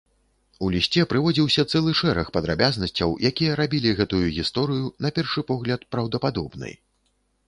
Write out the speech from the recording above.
У лісце прыводзіўся цэлы шэраг падрабязнасцяў, якія рабілі гэтую гісторыю, на першы погляд, праўдападобнай.